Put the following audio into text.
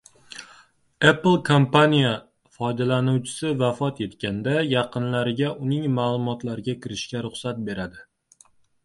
Apple kompaniya foydalanuvchisi vafot etganda yaqinlariga uning ma’lumotlariga kirishga ruxsat beradi